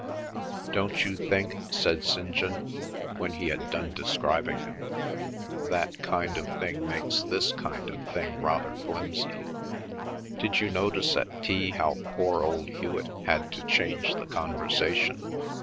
"Don't you think," said St. John, when he had done describing him, "that kind of thing makes this kind of thing rather flimsy? Did you notice at tea how poor old Hewet had to change the conversation?